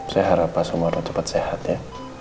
saya harap pak sumarno cepat sehat ya